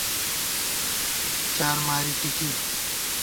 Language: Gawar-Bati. چارماری ٹِکی